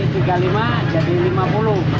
dari rp tiga puluh lima jadi rp lima puluh